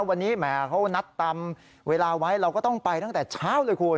วันนี้แหมเขานัดตามเวลาไว้เราก็ต้องไปตั้งแต่เช้าเลยคุณ